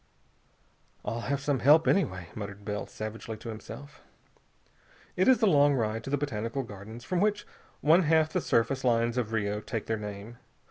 "I'll have some help, anyway," muttered Bell savagely to himself. It is a long ride to the Botanical Gardens, from which one half the surface lines of Rio take their name.